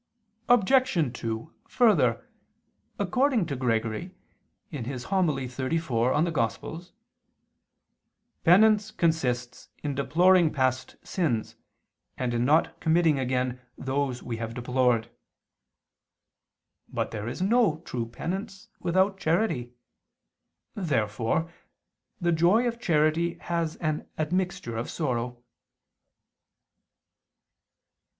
Obj. 2: Further, according to Gregory (Hom. in Evang. xxxiv), "penance consists in deploring past sins, and in not committing again those we have deplored." But there is no true penance without charity. Therefore the joy of charity has an admixture of sorrow.